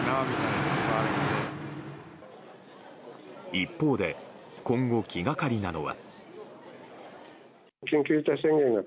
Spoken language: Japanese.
一方で今後、気がかりなのは。